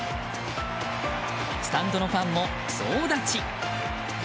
スタンドのファンも、総立ち！